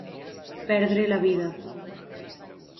Perdre la vida.